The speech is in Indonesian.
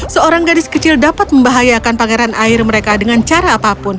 seorang gadis kecil dapat membahayakan pangeran air mereka dengan cara apapun